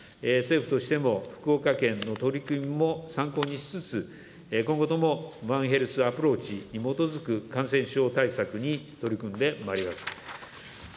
政府としても、福岡県の取り組みも参考にしつつ、今後ともワンヘルスアプローチに基づく感染症対策に取り組んでまいります。